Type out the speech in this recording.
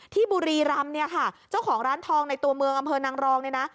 ที่บุรีรำนี่ค่ะเจ้าของร้านทองในตัวเมืองอ่าเมิร์นิรองไหนนะ